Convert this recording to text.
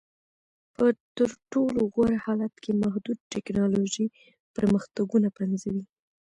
په تر ټولو غوره حالت کې محدود ټکنالوژیکي پرمختګونه پنځوي